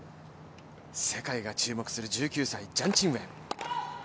世界が注目する１９歳ジャン・チンウェン。